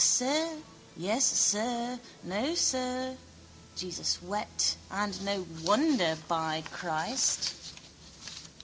Sir. Yes, sir. No, sir. Jesus wept: and no wonder, by Christ!